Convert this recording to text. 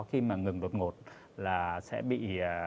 khi mà ngừng đột ngột là sẽ bị